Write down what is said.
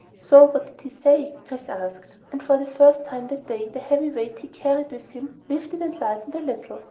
"So what did he say?" Chris asked, and for the first time that day the heavy weight he carried within him lifted and lightened a little.